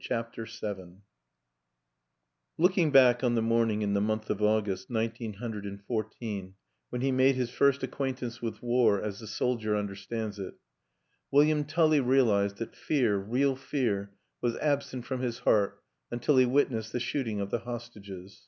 CHAPTER VII LOOKING back on the morning in the month of August, nineteen hundred and fourteen, when he made his first ac quaintance with war as the soldier understands it, William Tully realized that fear, real fear, was absent from his heart until he witnessed the shoot ing of the hostages.